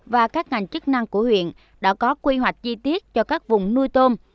và các ngành chức năng của huyện đã có quy hoạch chi tiết cho các vùng nuôi tôm